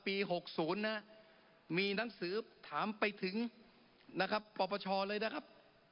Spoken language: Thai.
๖๐นะมีหนังสือถามไปถึงนะครับปปชเลยนะครับ